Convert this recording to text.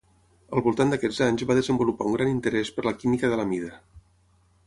Al voltant d'aquests anys va desenvolupar un gran interès per la química de l'amida.